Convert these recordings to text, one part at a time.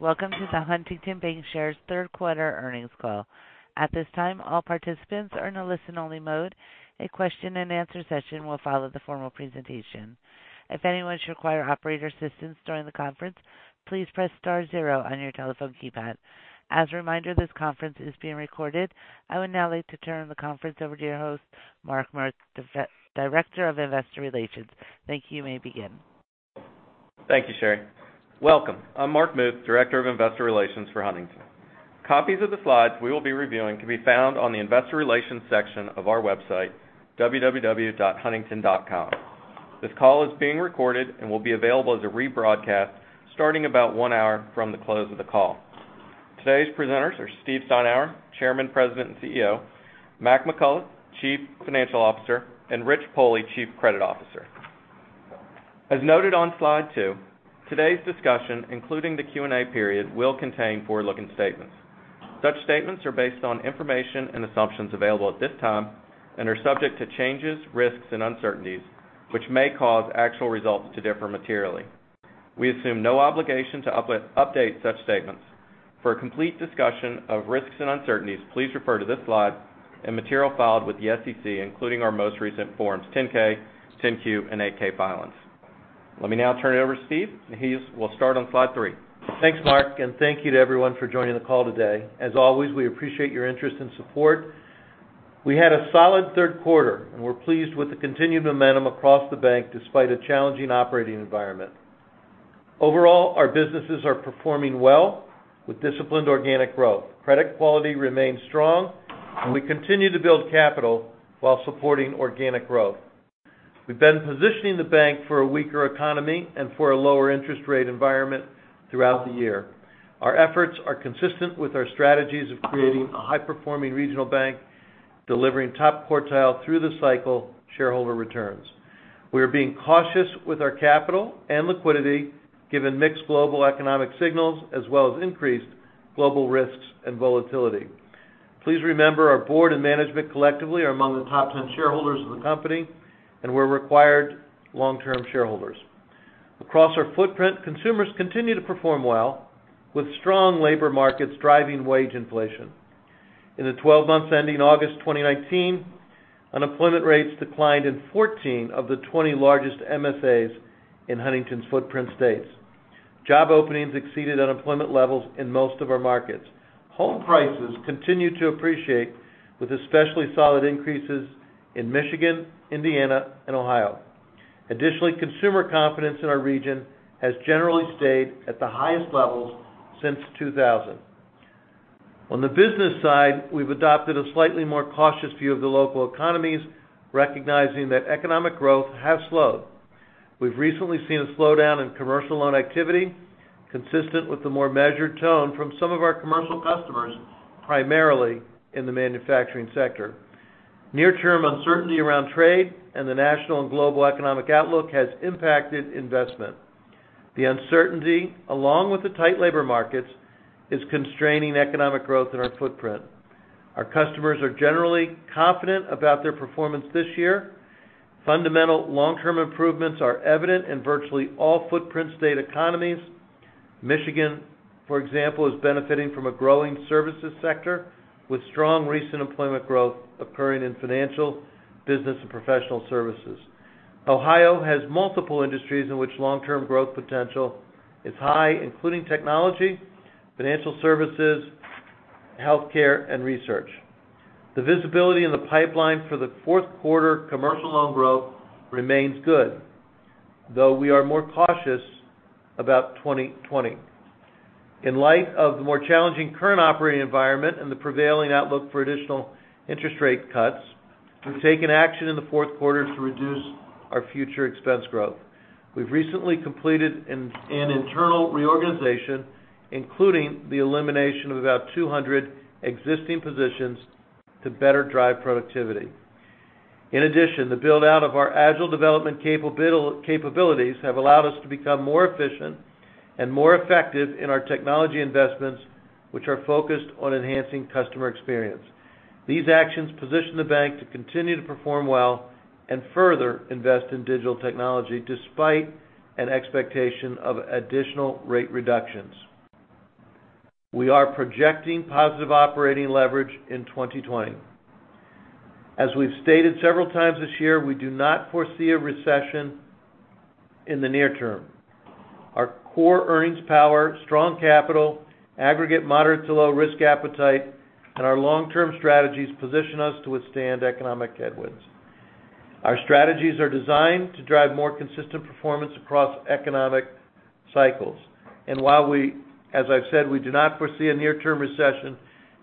Welcome to the Huntington Bancshares third quarter earnings call. At this time, all participants are in a listen-only mode. A question and answer session will follow the formal presentation. If anyone should require operator assistance during the conference, please press star zero on your telephone keypad. As a reminder, this conference is being recorded. I would now like to turn the conference over to your host, Mark Muth, Director of Investor Relations. Thank you may begin. Thank you, Sherry. Welcome. I'm Mark Muth, Director of Investor Relations for Huntington. Copies of the slides we will be reviewing can be found on the investor relations section of our website, www.huntington.com. This call is being recorded and will be available as a rebroadcast starting about one hour from the close of the call. Today's presenters are Steve Steinour, Chairman, President, and CEO, Mac McCullough, Chief Financial Officer, and Rich Pohle, Chief Credit Officer. As noted on slide two, today's discussion, including the Q&A period, will contain forward-looking statements. Such statements are based on information and assumptions available at this time and are subject to changes, risks, and uncertainties, which may cause actual results to differ materially. We assume no obligation to update such statements. For a complete discussion of risks and uncertainties, please refer to this slide and material filed with the SEC, including our most recent Forms 10-K, 10-Q, and 8-K filings. Let me now turn it over to Steve. He will start on slide three. Thanks, Mark, and thank you to everyone for joining the call today. As always, we appreciate your interest and support. We had a solid third quarter, and we're pleased with the continued momentum across the bank despite a challenging operating environment. Overall, our businesses are performing well with disciplined organic growth. Credit quality remains strong, and we continue to build capital while supporting organic growth. We've been positioning the bank for a weaker economy and for a lower interest rate environment throughout the year. Our efforts are consistent with our strategies of creating a high-performing regional bank, delivering top quartile through the cycle shareholder returns. We are being cautious with our capital and liquidity, given mixed global economic signals, as well as increased global risks and volatility. Please remember our board and management collectively are among the top 10 shareholders of the company and were required long-term shareholders. Across our footprint, consumers continue to perform well, with strong labor markets driving wage inflation. In the 12 months ending August 2019, unemployment rates declined in 14 of the 20 largest MSAs in Huntington's footprint states. Job openings exceeded unemployment levels in most of our markets. Home prices continue to appreciate, with especially solid increases in Michigan, Indiana, and Ohio. Additionally, consumer confidence in our region has generally stayed at the highest levels since 2000. On the business side, we've adopted a slightly more cautious view of the local economies, recognizing that economic growth has slowed. We've recently seen a slowdown in commercial loan activity, consistent with the more measured tone from some of our commercial customers, primarily in the manufacturing sector. Near-term uncertainty around trade and the national and global economic outlook has impacted investment. The uncertainty, along with the tight labor markets, is constraining economic growth in our footprint. Our customers are generally confident about their performance this year. Fundamental long-term improvements are evident in virtually all footprint state economies. Michigan, for example, is benefiting from a growing services sector, with strong recent employment growth occurring in financial, business, and professional services. Ohio has multiple industries in which long-term growth potential is high, including technology, financial services, healthcare, and research. The visibility in the pipeline for the fourth quarter commercial loan growth remains good, though we are more cautious about 2020. In light of the more challenging current operating environment and the prevailing outlook for additional interest rate cuts, we've taken action in the fourth quarter to reduce our future expense growth. We've recently completed an internal reorganization, including the elimination of about 200 existing positions to better drive productivity. In addition, the build-out of our agile development capabilities have allowed us to become more efficient and more effective in our technology investments, which are focused on enhancing customer experience. These actions position the bank to continue to perform well and further invest in digital technology despite an expectation of additional rate reductions. We are projecting positive operating leverage in 2020. As we've stated several times this year, we do not foresee a recession in the near term. Our core earnings power, strong capital, aggregate moderate to low risk appetite, and our long-term strategies position us to withstand economic headwinds. Our strategies are designed to drive more consistent performance across economic cycles. While we, as I've said, do not foresee a near-term recession,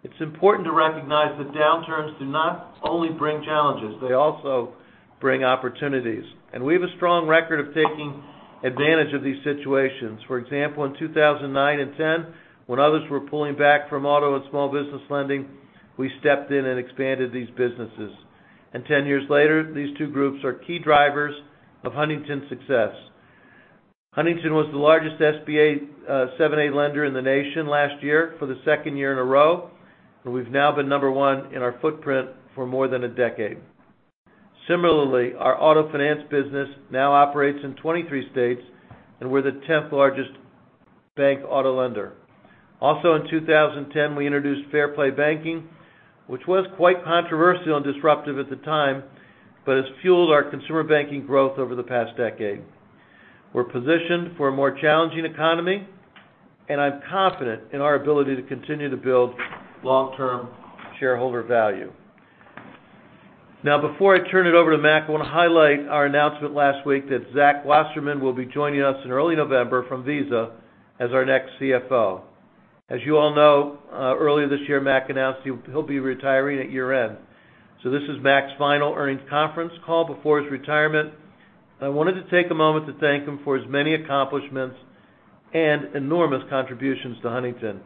it's important to recognize that downturns do not only bring challenges, they also bring opportunities. We have a strong record of taking advantage of these situations. For example, in 2009 and 2010, when others were pulling back from auto and small business lending, we stepped in and expanded these businesses. 10 years later, these two groups are key drivers of Huntington's success. Huntington was the largest SBA 7(a) lender in the nation last year for the second year in a row, and we've now been number one in our footprint for more than a decade. Similarly, our auto finance business now operates in 23 states, and we're the 10th largest bank auto lender. Also in 2010, we introduced Fair Play Banking, which was quite controversial and disruptive at the time, but has fueled our consumer banking growth over the past decade. We're positioned for a more challenging economy, and I'm confident in our ability to continue to build long-term shareholder value. Before I turn it over to Mac, I want to highlight our announcement last week that Zach Wasserman will be joining us in early November from Visa as our next CFO. As you all know, earlier this year, Mac announced he'll be retiring at year-end. This is Mac's final earnings conference call before his retirement. I wanted to take a moment to thank him for his many accomplishments and enormous contributions to Huntington.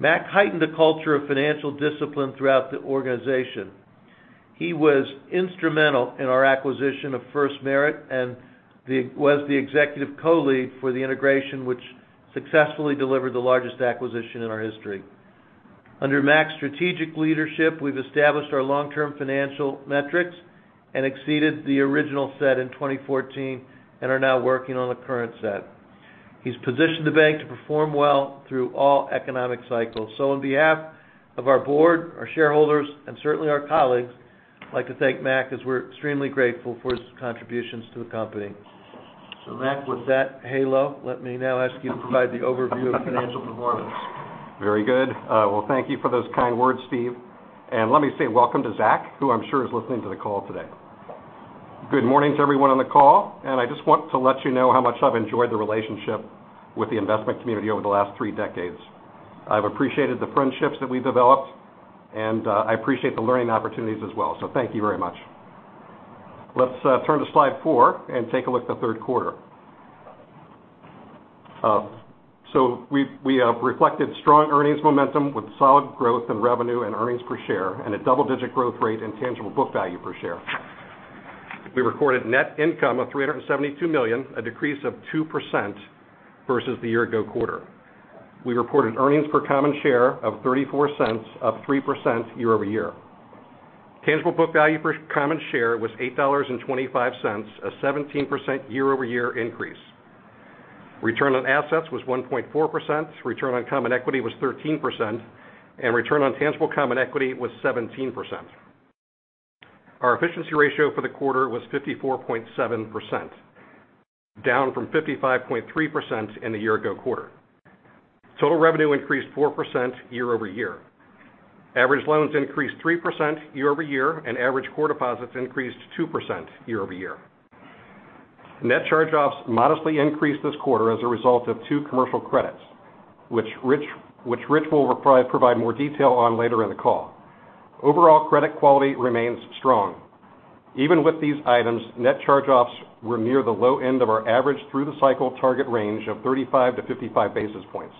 Mac heightened the culture of financial discipline throughout the organization. He was instrumental in our acquisition of FirstMerit and was the executive co-lead for the integration, which successfully delivered the largest acquisition in our history. Under Mac's strategic leadership, we've established our long-term financial metrics and exceeded the original set in 2014 and are now working on the current set. He's positioned the bank to perform well through all economic cycles. On behalf of our board, our shareholders, and certainly our colleagues, I'd like to thank Mac as we're extremely grateful for his contributions to the company. Mac, with that halo, let me now ask you to provide the overview of financial performance. Very good. Well, thank you for those kind words, Steve. Let me say welcome to Zach, who I'm sure is listening to the call today. Good morning to everyone on the call. I just want to let you know how much I've enjoyed the relationship with the investment community over the last three decades. I've appreciated the friendships that we've developed. I appreciate the learning opportunities as well. Thank you very much. Let's turn to slide four and take a look at the third quarter. We reflected strong earnings momentum with solid growth in revenue and earnings per share and a double-digit growth rate in tangible book value per share. We recorded net income of $372 million, a decrease of 2% versus the year ago quarter. We reported earnings per common share of $0.34, up 3% year-over-year. Tangible book value per common share was $8.25, a 17% year-over-year increase. Return on assets was 1.4%, return on common equity was 13%, and return on tangible common equity was 17%. Our efficiency ratio for the quarter was 54.7%, down from 55.3% in the year ago quarter. Total revenue increased 4% year-over-year. Average loans increased 3% year-over-year, and average core deposits increased 2% year-over-year. Net charge-offs modestly increased this quarter as a result of two commercial credits, which Rich will provide more detail on later in the call. Overall, credit quality remains strong. Even with these items, net charge-offs were near the low end of our average through the cycle target range of 35-55 basis points.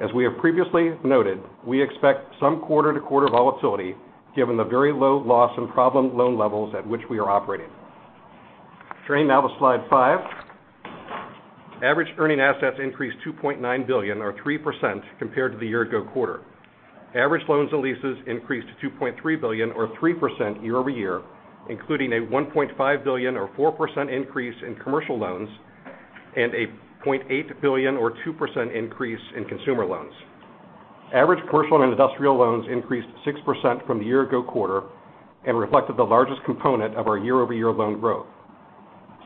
As we have previously noted, we expect some quarter-to-quarter volatility given the very low loss and problem loan levels at which we are operating. Turning now to slide five. Average earning assets increased $2.9 billion or 3% compared to the year ago quarter. Average loans and leases increased to $2.3 billion or 3% year-over-year, including a $1.5 billion or 4% increase in commercial loans and a $0.8 billion or 2% increase in consumer loans. Average commercial and industrial loans increased 6% from the year ago quarter and reflected the largest component of our year-over-year loan growth.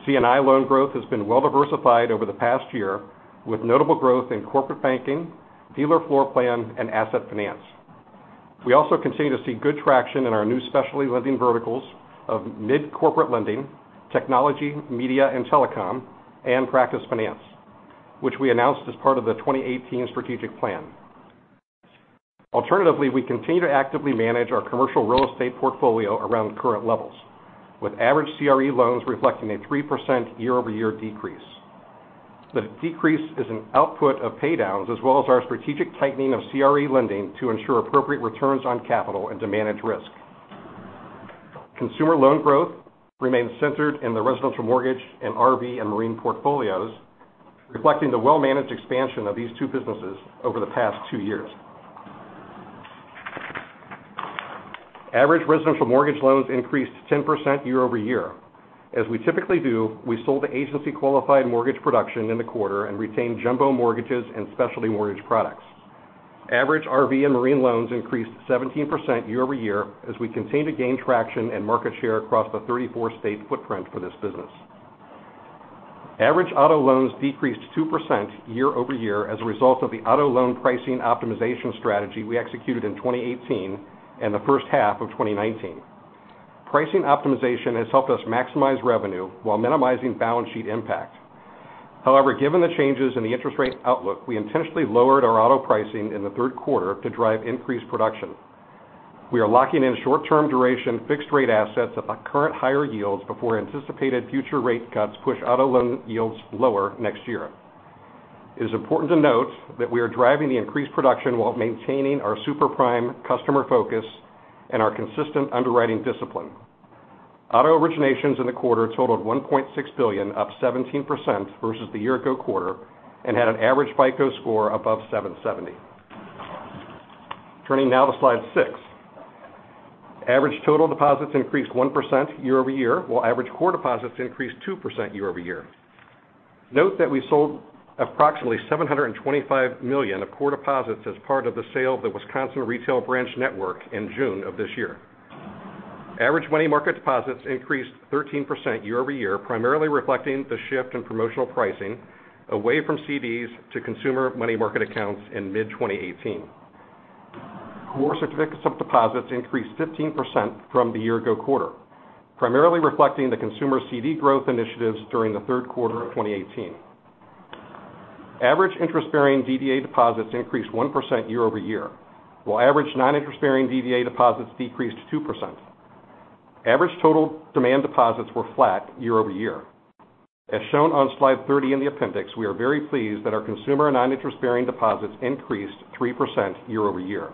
C&I loan growth has been well diversified over the past year, with notable growth in corporate banking, dealer floor plan, and asset finance. We also continue to see good traction in our new specialty lending verticals of mid-corporate lending, technology, media, and telecom, and practice finance, which we announced as part of the 2018 strategic plan. Alternatively, we continue to actively manage our commercial real estate portfolio around current levels, with average CRE loans reflecting a 3% year-over-year decrease. The decrease is an output of paydowns as well as our strategic tightening of CRE lending to ensure appropriate returns on capital and to manage risk. Consumer loan growth remains centered in the residential mortgage and RV and marine portfolios, reflecting the well-managed expansion of these two businesses over the past two years. Average residential mortgage loans increased 10% year-over-year. As we typically do, we sold the agency-qualified mortgage production in the quarter and retained jumbo mortgages and specialty mortgage products. Average RV and marine loans increased 17% year-over-year as we continue to gain traction and market share across the 34-state footprint for this business. Average auto loans decreased 2% year-over-year as a result of the auto loan pricing optimization strategy we executed in 2018 and the first half of 2019. Pricing optimization has helped us maximize revenue while minimizing balance sheet impact. Given the changes in the interest rate outlook, we intentionally lowered our auto pricing in the third quarter to drive increased production. We are locking in short-term duration fixed rate assets at the current higher yields before anticipated future rate cuts push auto loan yields lower next year. It is important to note that we are driving the increased production while maintaining our super prime customer focus and our consistent underwriting discipline. Auto originations in the quarter totaled $1.6 billion, up 17% versus the year-ago quarter, and had an average FICO score above 770. Turning now to slide six. Average total deposits increased 1% year-over-year, while average core deposits increased 2% year-over-year. Note that we sold approximately $725 million of core deposits as part of the sale of the Wisconsin retail branch network in June of this year. Average money market deposits increased 13% year-over-year, primarily reflecting the shift in promotional pricing away from CDs to consumer money market accounts in mid-2018. Core certificates of deposits increased 15% from the year-ago quarter, primarily reflecting the consumer CD growth initiatives during the third quarter of 2018. Average interest-bearing DDA deposits increased 1% year-over-year, while average non-interest bearing DDA deposits decreased 2%. Average total demand deposits were flat year-over-year. As shown on slide 30 in the appendix, we are very pleased that our consumer non-interest-bearing deposits increased 3% year-over-year.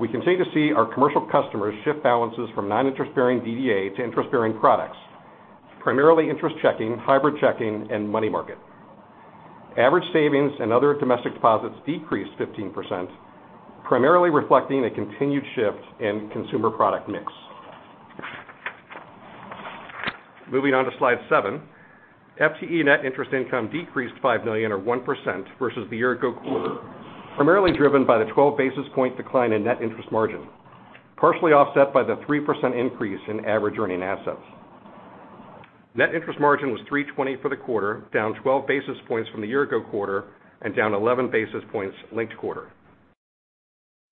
We continue to see our commercial customers shift balances from non-interest bearing DDA to interest-bearing products, primarily interest checking, hybrid checking, and money market. Average savings and other domestic deposits decreased 15%, primarily reflecting a continued shift in consumer product mix. Moving on to slide seven. FTE net interest income decreased $5 million, or 1%, versus the year-ago quarter, primarily driven by the 12-basis-point decline in net interest margin, partially offset by the 3% increase in average earning assets. Net interest margin was 320 for the quarter, down 12 basis points from the year-ago quarter and down 11 basis points linked quarter.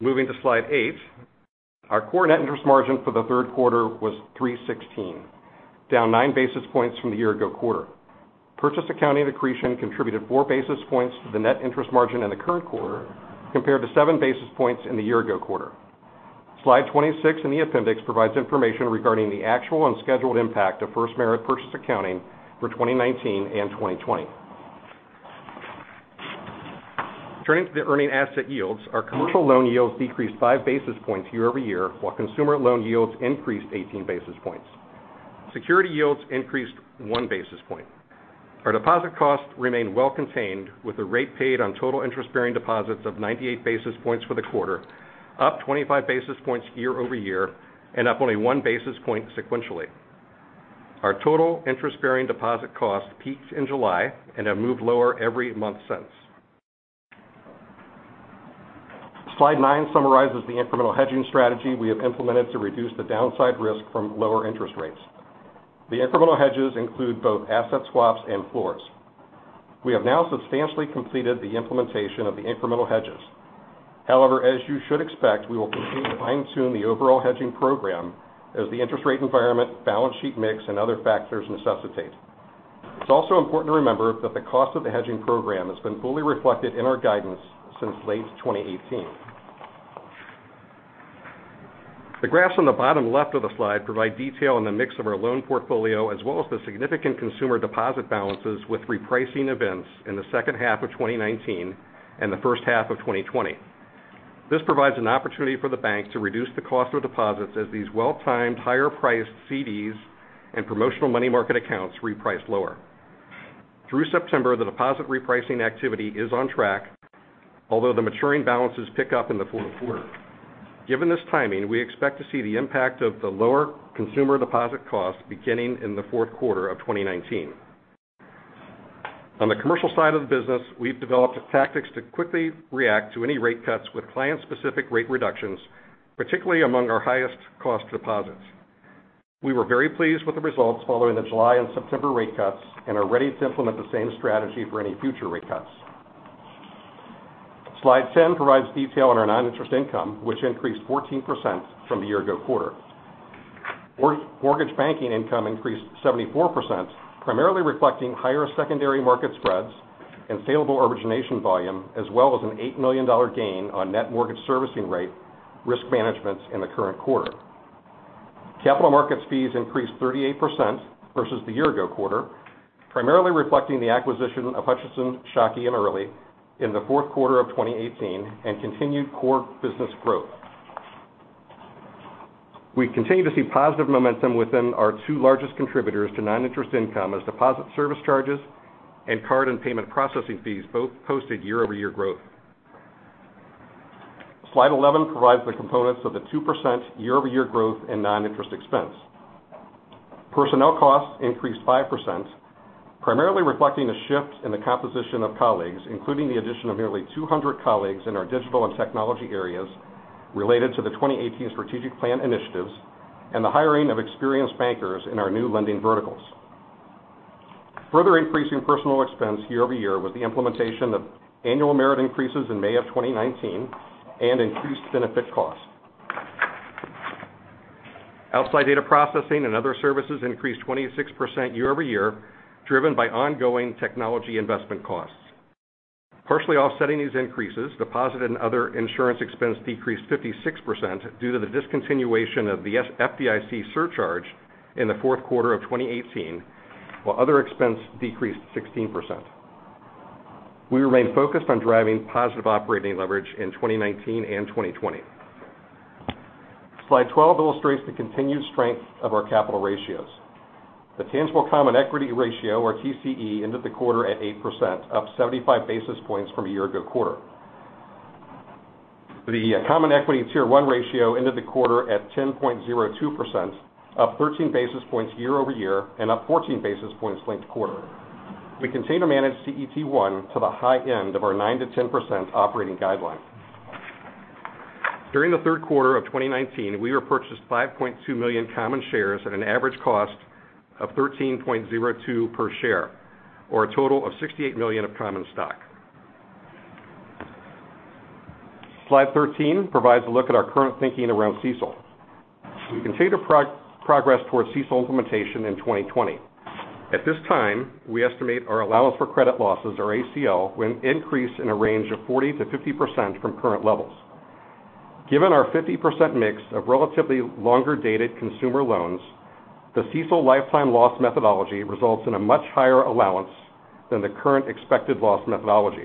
Moving to slide eight. Our core net interest margin for the third quarter was 316, down nine basis points from the year-ago quarter. Purchase accounting accretion contributed four basis points to the net interest margin in the current quarter, compared to seven basis points in the year-ago quarter. Slide 26 in the appendix provides information regarding the actual and scheduled impact of FirstMerit purchase accounting for 2019 and 2020. Turning to the earning asset yields, our commercial loan yields decreased five basis points year over year, while consumer loan yields increased 18 basis points. Security yields increased one basis point. Our deposit costs remain well contained, with a rate paid on total interest-bearing deposits of 98 basis points for the quarter, up 25 basis points year over year, and up only one basis point sequentially. Our total interest-bearing deposit costs peaked in July and have moved lower every month since. Slide nine summarizes the incremental hedging strategy we have implemented to reduce the downside risk from lower interest rates. The incremental hedges include both asset swaps and floors. We have now substantially completed the implementation of the incremental hedges. However, as you should expect, we will continue to fine-tune the overall hedging program as the interest rate environment, balance sheet mix, and other factors necessitate. It's also important to remember that the cost of the hedging program has been fully reflected in our guidance since late 2018. The graphs on the bottom left of the slide provide detail on the mix of our loan portfolio, as well as the significant consumer deposit balances with repricing events in the second half of 2019 and the first half of 2020. This provides an opportunity for the bank to reduce the cost of deposits as these well-timed, higher-priced CDs and promotional money market accounts reprice lower. Through September, the deposit repricing activity is on track, although the maturing balances pick up in the fourth quarter. Given this timing, we expect to see the impact of the lower consumer deposit cost beginning in the fourth quarter of 2019. On the commercial side of the business, we've developed tactics to quickly react to any rate cuts with client-specific rate reductions, particularly among our highest cost deposits. We were very pleased with the results following the July and September rate cuts and are ready to implement the same strategy for any future rate cuts. Slide 10 provides detail on our non-interest income, which increased 14% from the year-ago quarter. Mortgage banking income increased 74%, primarily reflecting higher secondary market spreads and saleable origination volume, as well as an $8 million gain on net mortgage servicing rate risk management in the current quarter. Capital markets fees increased 38% versus the year-ago quarter, primarily reflecting the acquisition of Hutchinson, Shockey, and Erley in the fourth quarter of 2018 and continued core business growth. We continue to see positive momentum within our two largest contributors to non-interest income as deposit service charges and card and payment processing fees both posted year-over-year growth. Slide 11 provides the components of the 2% year-over-year growth in non-interest expense. Personnel costs increased 5%, primarily reflecting a shift in the composition of colleagues, including the addition of nearly 200 colleagues in our digital and technology areas related to the 2018 strategic plan initiatives and the hiring of experienced bankers in our new lending verticals. Further increasing personnel expense year-over-year was the implementation of annual merit increases in May of 2019 and increased benefit costs. Outside data processing and other services increased 26% year-over-year, driven by ongoing technology investment costs. Partially offsetting these increases, deposit and other insurance expense decreased 56% due to the discontinuation of the FDIC surcharge in the fourth quarter of 2018, while other expense decreased 16%. We remain focused on driving positive operating leverage in 2019 and 2020. Slide 12 illustrates the continued strength of our capital ratios. The tangible common equity ratio, or TCE, ended the quarter at 8%, up 75 basis points from a year-ago quarter. The common equity tier 1 ratio ended the quarter at 10.02%, up 13 basis points year-over-year, and up 14 basis points linked-quarter. We continue to manage CET1 to the high end of our 9%-10% operating guideline. During the third quarter of 2019, we repurchased 5.2 million common shares at an average cost of $13.02 per share, or a total of $68 million of common stock. Slide 13 provides a look at our current thinking around CECL. We continue to progress towards CECL implementation in 2020. At this time, we estimate our allowance for credit losses, or ACL, will increase in a range of 40%-50% from current levels. Given our 50% mix of relatively longer-dated consumer loans, the CECL lifetime loss methodology results in a much higher allowance than the current expected loss methodology.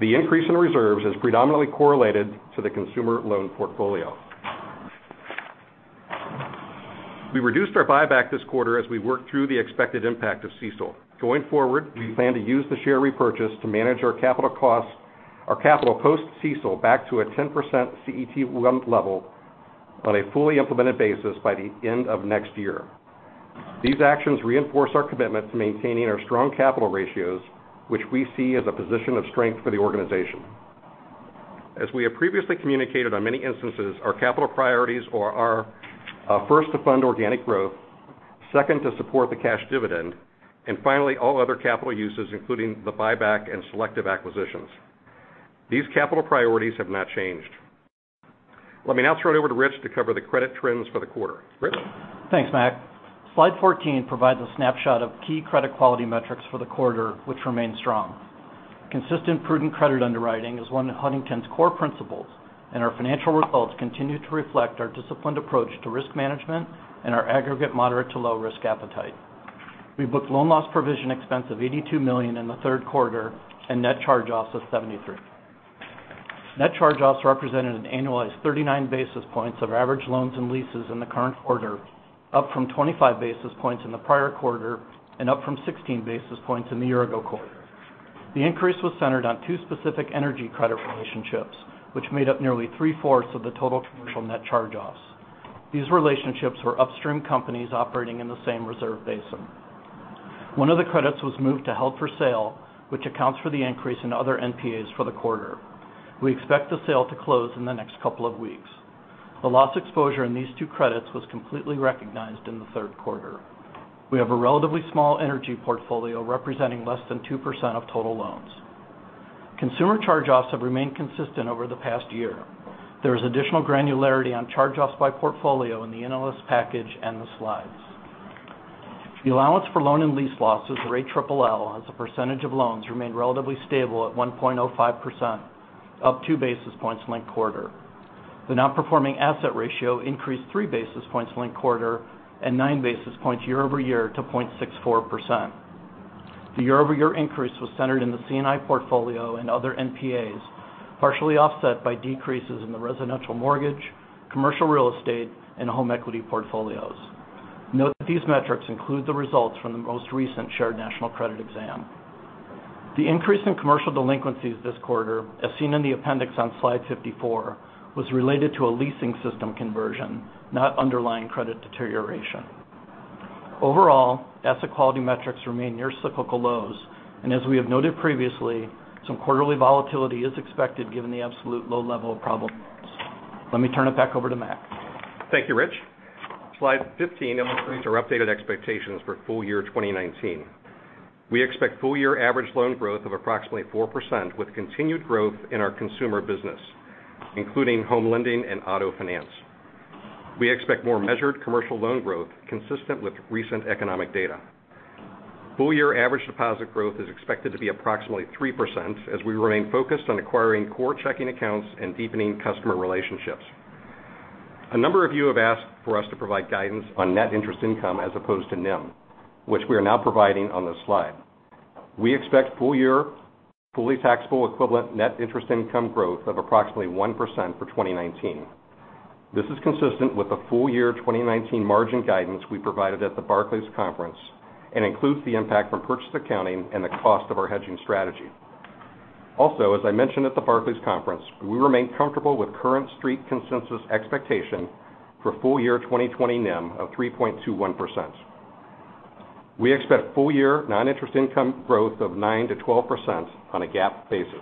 The increase in reserves is predominantly correlated to the consumer loan portfolio. We reduced our buyback this quarter as we work through the expected impact of CECL. Going forward, we plan to use the share repurchase to manage our capital post CECL back to a 10% CET1 level on a fully implemented basis by the end of next year. These actions reinforce our commitment to maintaining our strong capital ratios, which we see as a position of strength for the organization. As we have previously communicated on many instances, our capital priorities are first to fund organic growth, second to support the cash dividend, and finally, all other capital uses, including the buyback and selective acquisitions. These capital priorities have not changed. Let me now turn it over to Rich to cover the credit trends for the quarter. Rich? Thanks, Mac. Slide 14 provides a snapshot of key credit quality metrics for the quarter, which remain strong. Consistent prudent credit underwriting is one of Huntington's core principles, and our financial results continue to reflect our disciplined approach to risk management and our aggregate moderate to low risk appetite. We booked loan loss provision expense of $82 million in the third quarter, and net charge-offs of $73. Net charge-offs represented an annualized 39 basis points of average loans and leases in the current quarter, up from 25 basis points in the prior quarter, and up from 16 basis points in the year ago quarter. The increase was centered on two specific energy credit relationships, which made up nearly three-fourths of the total commercial net charge-offs. These relationships were upstream companies operating in the same reserve basin. One of the credits was moved to held for sale, which accounts for the increase in other NPAs for the quarter. We expect the sale to close in the next couple of weeks. The loss exposure in these two credits was completely recognized in the third quarter. We have a relatively small energy portfolio, representing less than 2% of total loans. Consumer charge-offs have remained consistent over the past year. There is additional granularity on charge-offs by portfolio in the NLS package and the slides. The allowance for loan and lease losses, or ALLL, as a percentage of loans remained relatively stable at 1.05%, up two basis points linked quarter. The non-performing asset ratio increased three basis points linked quarter, and nine basis points year-over-year to 0.64%. The year-over-year increase was centered in the C&I portfolio and other NPAs, partially offset by decreases in the residential mortgage, commercial real estate, and home equity portfolios. Note that these metrics include the results from the most recent Shared National Credit exam. The increase in commercial delinquencies this quarter, as seen in the appendix on slide 54, was related to a leasing system conversion, not underlying credit deterioration. Overall, asset quality metrics remain near cyclical lows, and as we have noted previously, some quarterly volatility is expected given the absolute low level of problem loans. Let me turn it back over to Mac. Thank you, Rich. Slide 15 illustrates our updated expectations for full year 2019. We expect full year average loan growth of approximately 4%, with continued growth in our consumer business, including home lending and auto finance. We expect more measured commercial loan growth consistent with recent economic data. Full year average deposit growth is expected to be approximately 3%, as we remain focused on acquiring core checking accounts and deepening customer relationships. A number of you have asked for us to provide guidance on net interest income as opposed to NIM, which we are now providing on this slide. We expect full year, fully taxable equivalent net interest income growth of approximately 1% for 2019. This is consistent with the full year 2019 margin guidance we provided at the Barclays conference and includes the impact from purchase accounting and the cost of our hedging strategy. As I mentioned at the Barclays conference, we remain comfortable with current Street consensus expectation for full year 2020 NIM of 3.21%. We expect full year non-interest income growth of 9%-12% on a GAAP basis.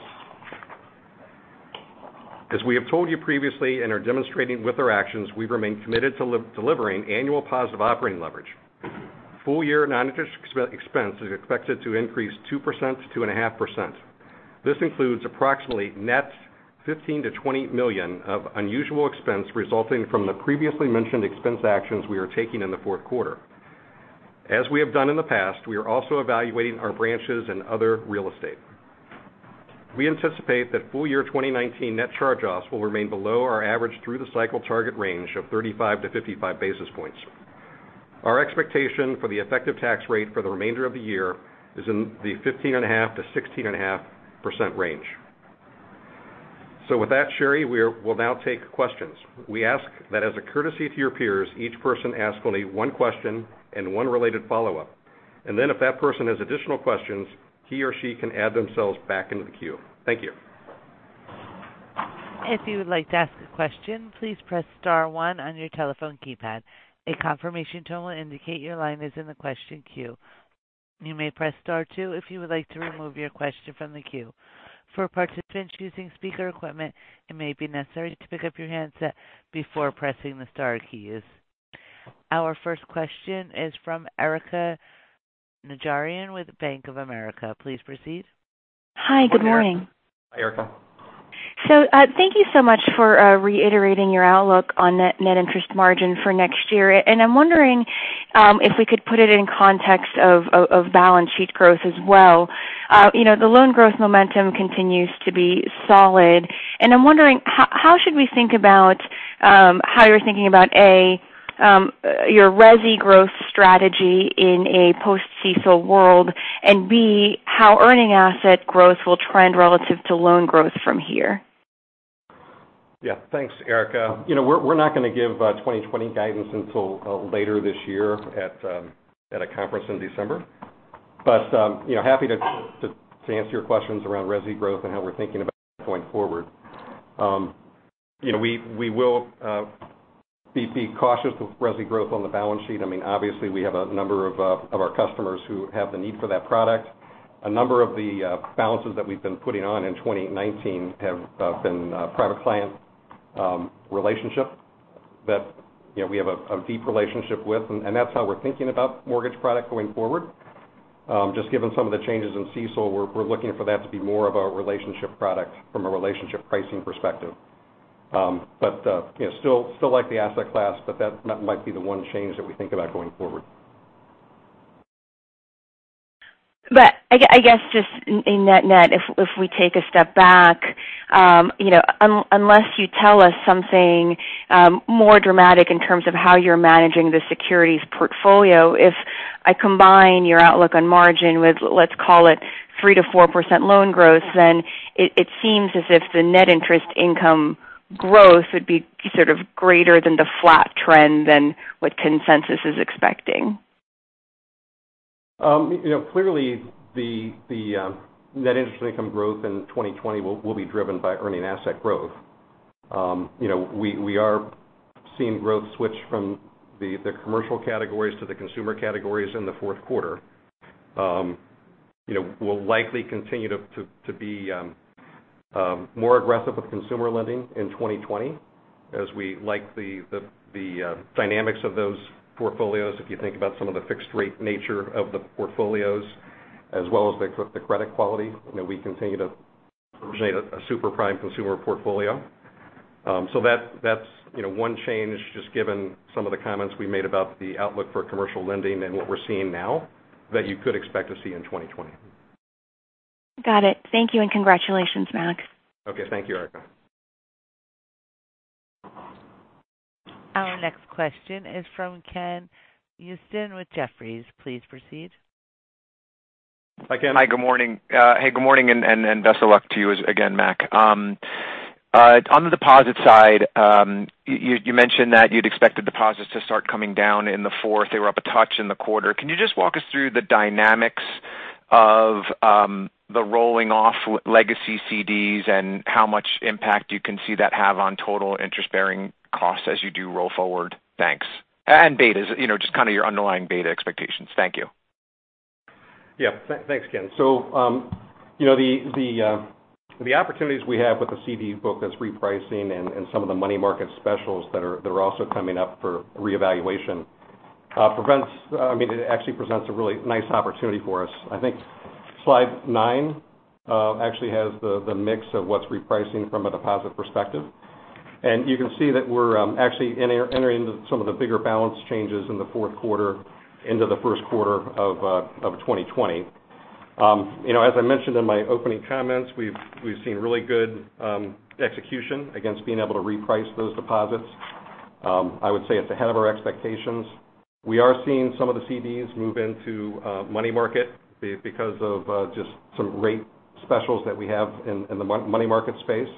As we have told you previously and are demonstrating with our actions, we remain committed to delivering annual positive operating leverage. Full year non-interest expense is expected to increase 2%-2.5%. This includes approximately net $15 million-$20 million of unusual expense resulting from the previously mentioned expense actions we are taking in the fourth quarter. As we have done in the past, we are also evaluating our branches and other real estate. We anticipate that full year 2019 net charge-offs will remain below our average through-the-cycle target range of 35-55 basis points. Our expectation for the effective tax rate for the remainder of the year is in the 15.5%-16.5% range. With that, Sherry, we'll now take questions. We ask that as a courtesy to your peers, each person ask only one question and one related follow-up. Then if that person has additional questions, he or she can add themselves back into the queue. Thank you. If you would like to ask a question, please press star one on your telephone keypad. A confirmation tone will indicate your line is in the question queue. You may press star two if you would like to remove your question from the queue. For participants using speaker equipment, it may be necessary to pick up your handset before pressing the star keys. Our first question is from Erika Najarian with Bank of America. Please proceed. Hi. Good morning. Hi, Erika. Thank you so much for reiterating your outlook on net interest margin for next year. I'm wondering if we could put it in context of balance sheet growth as well. The loan growth momentum continues to be solid, and I'm wondering how should we think about how you're thinking about, A, your resi growth strategy in a post-CECL world, and B, how earning asset growth will trend relative to loan growth from here? Yeah. Thanks, Erika. We're not going to give 2020 guidance until later this year at a conference in December. Happy to answer your questions around resi growth and how we're thinking about going forward. We will be cautious with resi growth on the balance sheet. Obviously, we have a number of our customers who have the need for that product. A number of the balances that we've been putting on in 2019 have been private client relationship that we have a deep relationship with, and that's how we're thinking about mortgage product going forward. Just given some of the changes in CECL, we're looking for that to be more of a relationship product from a relationship pricing perspective. Still like the asset class, but that might be the one change that we think about going forward. I guess just in net-net, if we take a step back, unless you tell us something more dramatic in terms of how you're managing the securities portfolio, if I combine your outlook on margin with, let's call it 3%-4% loan growth, then it seems as if the net interest income growth would be sort of greater than the flat trend than what consensus is expecting. Clearly, the net interest income growth in 2020 will be driven by earning asset growth. We are seeing growth switch from the commercial categories to the consumer categories in the fourth quarter. We'll likely continue to be more aggressive with consumer lending in 2020 as we like the dynamics of those portfolios, if you think about some of the fixed rate nature of the portfolios as well as the credit quality. We continue to originate a super prime consumer portfolio. That's one change, just given some of the comments we made about the outlook for commercial lending and what we're seeing now that you could expect to see in 2020. Got it. Thank you, and congratulations, Mac. Okay. Thank you, Erika. Our next question is from Ken Usdin with Jefferies. Please proceed. Hi, Ken. Hi. Good morning. Hey, good morning, and best of luck to you again, Mac. On the deposit side, you mentioned that you'd expect the deposits to start coming down in the fourth. They were up a touch in the quarter. Can you just walk us through the dynamics of the rolling off legacy CDs and how much impact you can see that have on total interest-bearing costs as you do roll forward? Thanks. Betas, just kind of your underlying beta expectations. Thank you. Thanks, Ken. The opportunities we have with the CD book that's repricing and some of the money market specials that are also coming up for reevaluation, it actually presents a really nice opportunity for us. I think slide nine actually has the mix of what's repricing from a deposit perspective. You can see that we're actually entering some of the bigger balance changes in the fourth quarter into the first quarter of 2020. As I mentioned in my opening comments, we've seen really good execution against being able to reprice those deposits. I would say it's ahead of our expectations. We are seeing some of the CDs move into money market because of just some rate specials that we have in the money market space.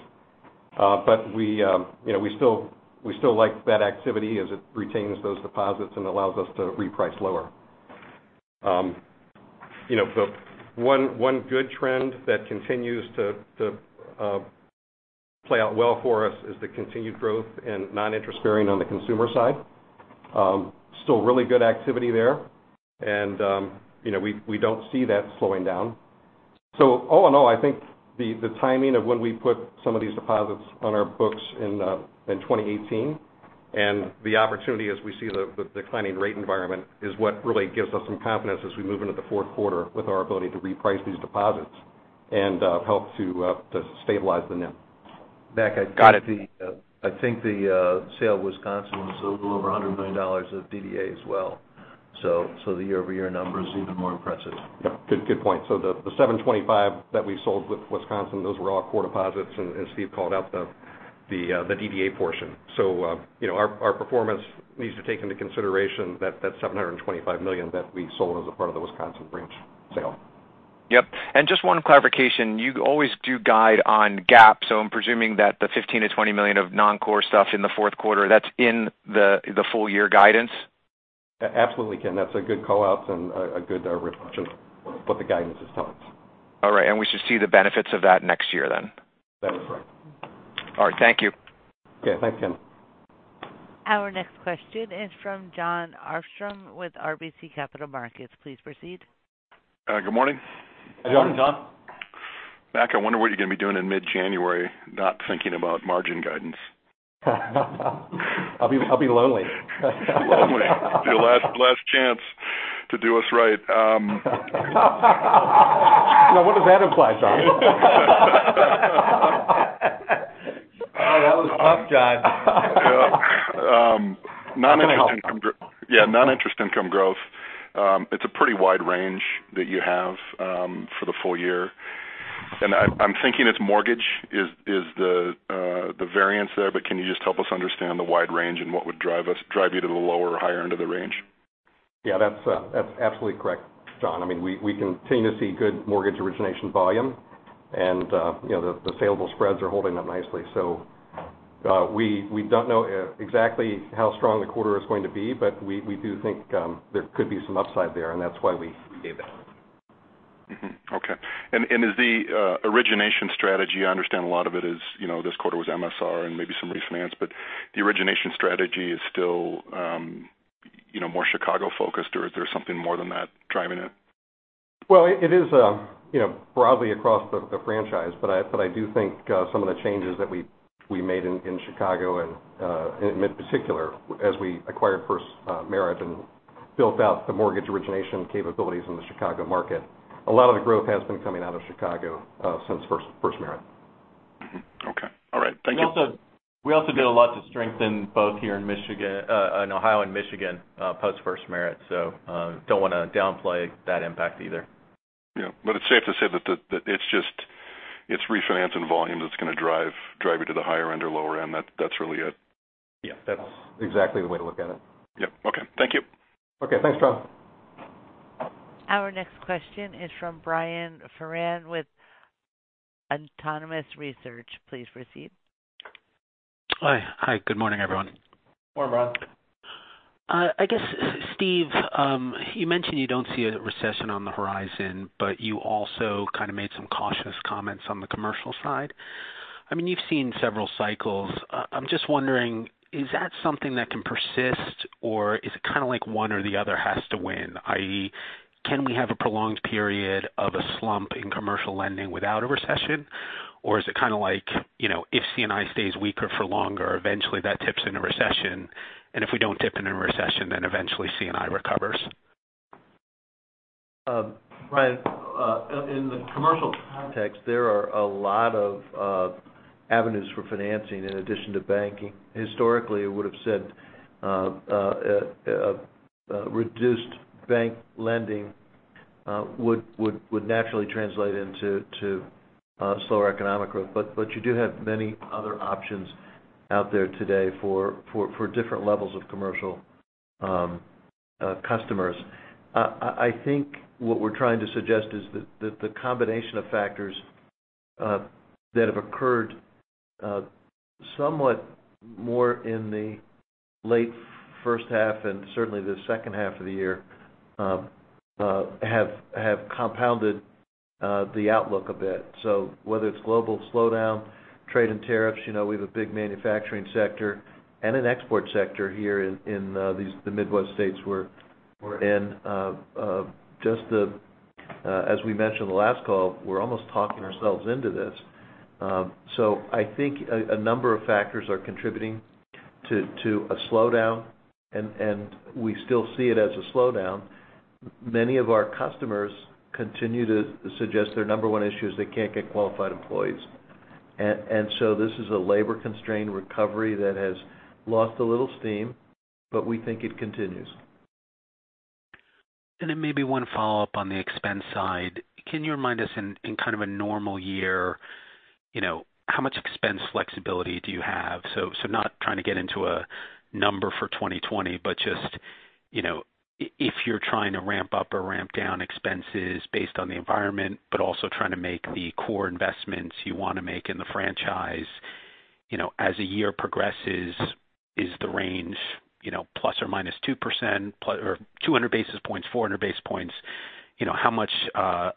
We still like that activity as it retains those deposits and allows us to reprice lower. One good trend that continues to play out well for us is the continued growth in non-interest bearing on the consumer side. Still really good activity there. We don't see that slowing down. All in all, I think the timing of when we put some of these deposits on our books in 2018 and the opportunity as we see the declining rate environment is what really gives us some confidence as we move into the fourth quarter with our ability to reprice these deposits and help to stabilize the NIM. Got it. Mac, I think the sale of Wisconsin was a little over $100 million of DDA as well. The year-over-year number is even more impressive. Yeah. Good point. The 725 that we sold with Wisconsin, those were all core deposits. Steve called out the DDA portion. Our performance needs to take into consideration that $725 million that we sold as a part of the Wisconsin branch sale. Yep. Just one clarification. You always do guide on GAAP, so I'm presuming that the $15 million-$20 million of non-core stuff in the fourth quarter, that's in the full year guidance? Absolutely, Ken. That's a good call-out and a good reflection of what the guidance is telling us. All right. We should see the benefits of that next year then. That is right. All right. Thank you. Okay. Thanks, Ken. Our next question is from Jon Arfstrom with RBC Capital Markets. Please proceed. Good morning. Good morning, Jon. Mac, I wonder what you're going to be doing in mid-January, not thinking about margin guidance. I'll be lonely. Lonely. Be your last chance to do us right. Now, what does that imply, Jon? Oh, that was tough, Jon. Yeah. That's a hell of a- Yeah, non-interest income growth. It's a pretty wide range that you have for the full year, and I'm thinking it's mortgage is the variance there. Can you just help us understand the wide range and what would drive you to the lower or higher end of the range? Yeah, that's absolutely correct, Jon. We continue to see good mortgage origination volume, and the saleable spreads are holding up nicely. We don't know exactly how strong the quarter is going to be, but we do think there could be some upside there, and that's why we gave it. Mm-hmm. Okay. Is the origination strategy, I understand a lot of it is this quarter was MSR and maybe some refinance, but the origination strategy is still more Chicago-focused, or is there something more than that driving it? Well, it is broadly across the franchise. I do think some of the changes that we made in Chicago and in particular as we acquired FirstMerit and built out the mortgage origination capabilities in the Chicago market. A lot of the growth has been coming out of Chicago since FirstMerit. Mm-hmm. Okay. All right. Thank you. We also did a lot to strengthen both here in Ohio and Michigan post FirstMerit. Don't want to downplay that impact either. Yeah. It's safe to say that it's refinancing volume that's going to drive you to the higher end or lower end. That's really it. Yeah. That's exactly the way to look at it. Yep. Okay. Thank you. Okay. Thanks, Jon. Our next question is from Brian Foran with Autonomous Research. Please proceed. Hi. Good morning, everyone. Good morning, Brian. I guess, Steve, you mentioned you don't see a recession on the horizon, but you also kind of made some cautious comments on the commercial side. You've seen several cycles. I'm just wondering, is that something that can persist, or is it kind of like one or the other has to win, i.e., can we have a prolonged period of a slump in commercial lending without a recession? Is it kind of like, if C&I stays weaker for longer, eventually that tips into recession, and if we don't tip it into recession, then eventually C&I recovers? Brian, in the commercial context, there are a lot of avenues for financing in addition to banking. Historically, I would've said reduced bank lending would naturally translate into slower economic growth. You do have many other options out there today for different levels of commercial customers. I think what we're trying to suggest is that the combination of factors that have occurred somewhat more in the late first half and certainly the second half of the year have compounded the outlook a bit. Whether it's global slowdown, trade and tariffs, we have a big manufacturing sector and an export sector here in the Midwest states we're in. As we mentioned in the last call, we're almost talking ourselves into this. I think a number of factors are contributing to a slowdown, and we still see it as a slowdown. Many of our customers continue to suggest their number one issue is they can't get qualified employees. This is a labor-constrained recovery that has lost a little steam, but we think it continues. Then maybe one follow-up on the expense side. Can you remind us in kind of a normal year, how much expense flexibility do you have? Not trying to get into a number for 2020, but just if you're trying to ramp up or ramp down expenses based on the environment, but also trying to make the core investments you want to make in the franchise. As a year progresses, is the range plus or minus 2% or 200 basis points, 400 basis points? How much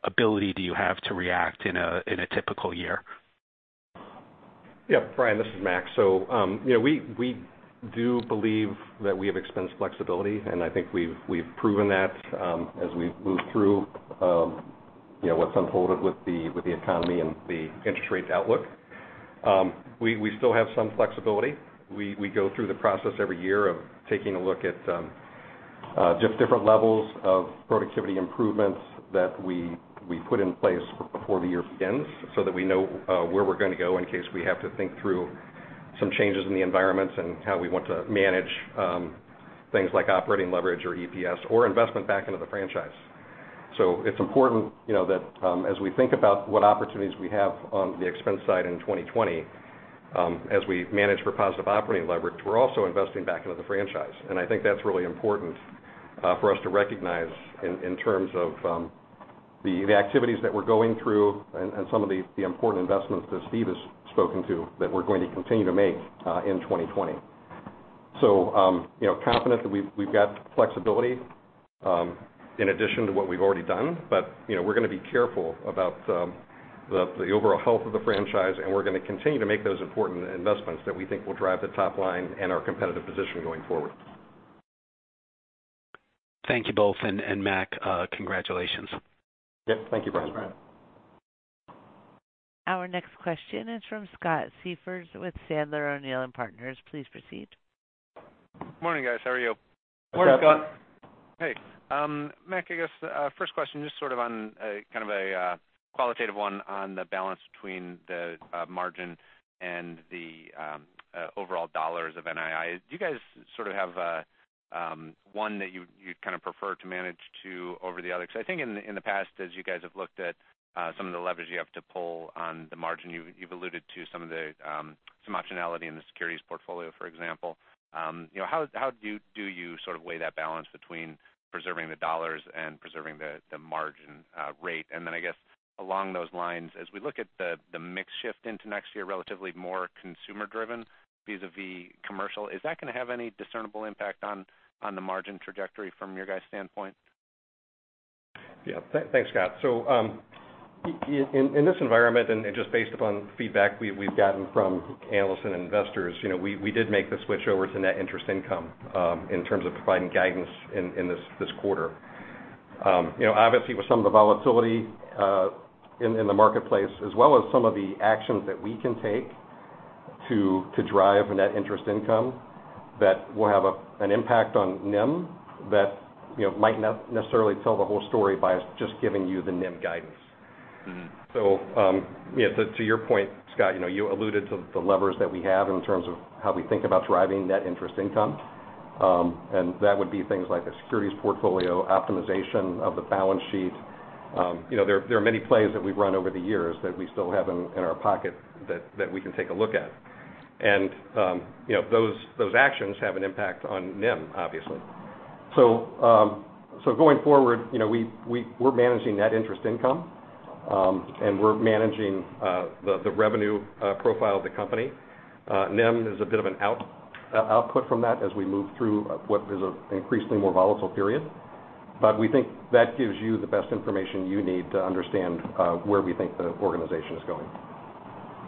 ability do you have to react in a typical year? Brian, this is Mac. We do believe that we have expense flexibility, and I think we've proven that as we've moved through what's unfolded with the economy and the interest rates outlook. We still have some flexibility. We go through the process every year of taking a look at just different levels of productivity improvements that we put in place before the year begins so that we know where we're going to go in case we have to think through some changes in the environments and how we want to manage things like operating leverage or EPS or investment back into the franchise. It's important that as we think about what opportunities we have on the expense side in 2020, as we manage for positive operating leverage, we're also investing back into the franchise. I think that's really important for us to recognize in terms of the activities that we're going through and some of the important investments that Steve has spoken to that we're going to continue to make in 2020. We're going to be careful about the overall health of the franchise, and we're going to continue to make those important investments that we think will drive the top line and our competitive position going forward. Thank you both. Mac, congratulations. Yep. Thank you, Brian. Thanks, Brian. Our next question is from Scott Siefers with Sandler O'Neill & Partners. Please proceed. Morning, guys. How are you? Morning, Scott. Hey. Mac, I guess first question, just sort of on kind of a qualitative one on the balance between the margin and the overall dollars of NII. Do you guys sort of have one that you'd kind of prefer to manage to over the other? I think in the past, as you guys have looked at some of the leverage you have to pull on the margin, you've alluded to some optionality in the securities portfolio, for example. How do you sort of weigh that balance between preserving the dollars and preserving the margin rate? I guess along those lines, as we look at the mix shift into next year, relatively more consumer driven vis-a-vis commercial, is that going to have any discernible impact on the margin trajectory from your guys' standpoint? Yeah. Thanks, Scott. In this environment, and just based upon feedback we've gotten from analysts and investors, we did make the switch over to net interest income in terms of providing guidance in this quarter. Obviously with some of the volatility in the marketplace as well as some of the actions that we can take to derive a net interest income that will have an impact on NIM that might not necessarily tell the whole story by just giving you the NIM guidance. To your point, Scott, you alluded to the levers that we have in terms of how we think about driving net interest income. That would be things like a securities portfolio, optimization of the balance sheet. There are many plays that we've run over the years that we still have in our pocket that we can take a look at. Those actions have an impact on NIM, obviously. Going forward, we're managing net interest income, and we're managing the revenue profile of the company. NIM is a bit of an output from that as we move through what is an increasingly more volatile period. We think that gives you the best information you need to understand where we think the organization is going.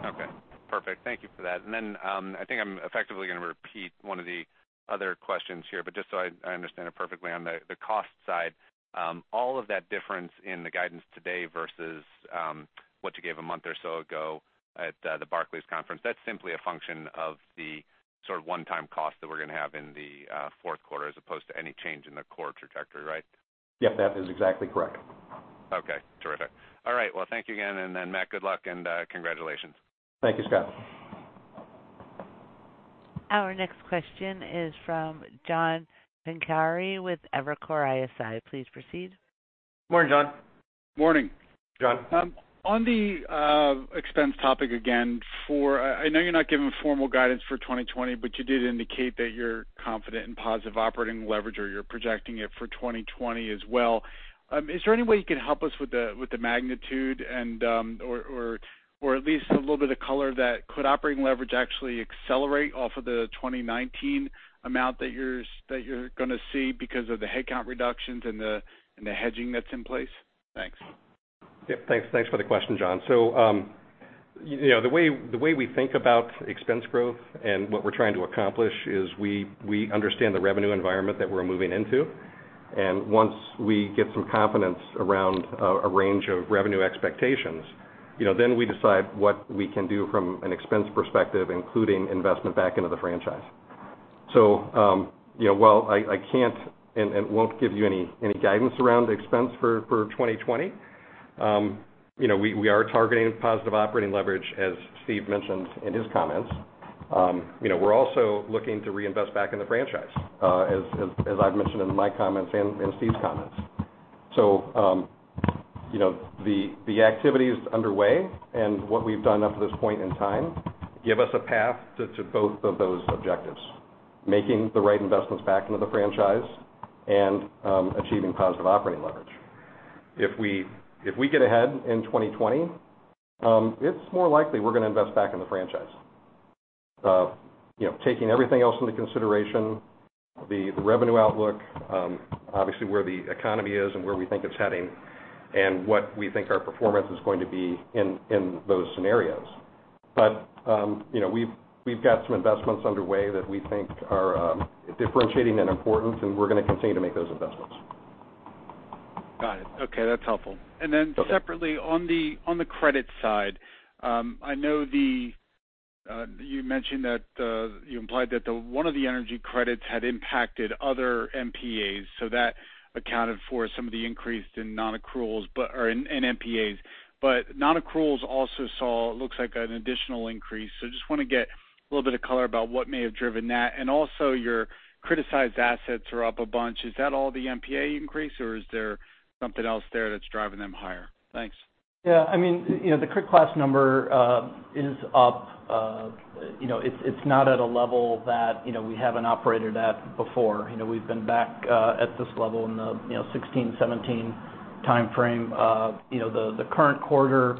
Okay, perfect. Thank you for that. Then I think I'm effectively going to repeat one of the other questions here, but just so I understand it perfectly. On the cost side, all of that difference in the guidance today versus what you gave a month or so ago at the Barclays conference, that's simply a function of the sort of one-time cost that we're going to have in the fourth quarter as opposed to any change in the core trajectory, right? Yep. That is exactly correct. Okay, terrific. All right. Well, thank you again, and then Mac, good luck and congratulations. Thank you, Scott. Our next question is from John Pancari with Evercore ISI. Please proceed. Morning, John. Morning. John. On the expense topic again. I know you're not giving formal guidance for 2020, but you did indicate that you're confident in positive operating leverage or you're projecting it for 2020 as well. Is there any way you can help us with the magnitude and, or at least a little bit of color that could operating leverage actually accelerate off of the 2019 amount that you're going to see because of the headcount reductions and the hedging that's in place? Thanks. Yep. Thanks for the question, John. The way we think about expense growth and what we're trying to accomplish is we understand the revenue environment that we're moving into. Once we get some confidence around a range of revenue expectations, then we decide what we can do from an expense perspective, including investment back into the franchise. While I can't and won't give you any guidance around expense for 2020, we are targeting positive operating leverage, as Steve mentioned in his comments. We're also looking to reinvest back in the franchise as I've mentioned in my comments and Steve's comments. The activity is underway, and what we've done up to this point in time give us a path to both of those objectives, making the right investments back into the franchise and achieving positive operating leverage. If we get ahead in 2020, it's more likely we're going to invest back in the franchise. Taking everything else into consideration, the revenue outlook, obviously where the economy is and where we think it's heading, and what we think our performance is going to be in those scenarios. We've got some investments underway that we think are differentiating and important, and we're going to continue to make those investments. Got it. Okay. That's helpful. Okay. Separately on the credit side, I know you mentioned that you implied that one of the energy credits had impacted other MPAs, so that accounted for some of the increase in non-accruals but are in MPAs. Non-accruals also saw, looks like an additional increase. Just want to get a little bit of color about what may have driven that. Also your criticized assets are up a bunch. Is that all the MPA increase, or is there something else there that's driving them higher? Thanks. Yeah. The credit class number is up. It's not at a level that we haven't operated at before. We've been back at this level in the 2016, 2017 timeframe. The current quarter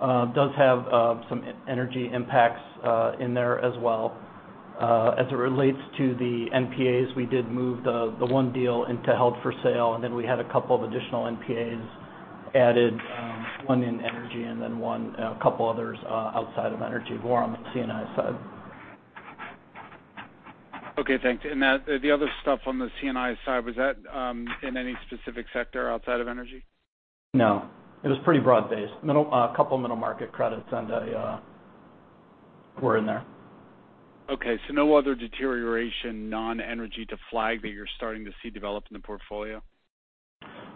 does have some energy impacts in there as well. As it relates to the NPAs, we did move the one deal into held for sale, and then we had a couple of additional NPAs added, one in energy and then a couple others outside of energy, more on the C&I side. Okay, thanks. The other stuff on the C&I side, was that in any specific sector outside of energy? No, it was pretty broad-based. A couple middle-market credits were in there. Okay. No other deterioration, non-energy to flag that you're starting to see develop in the portfolio?